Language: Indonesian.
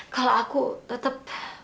kalau aku tetep